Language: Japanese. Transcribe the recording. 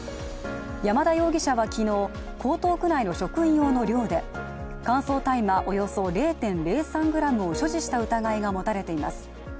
山田容疑者は昨日、江東区内の職員用の寮で乾燥大麻およそ０．０３ｇを所持した疑いが持たれています。